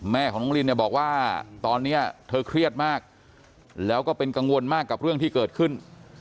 แม่ของน้องลินเนี่ยบอกว่าตอนนี้เธอเครียดมากแล้วก็เป็นกังวลมากกับเรื่องที่เกิดขึ้น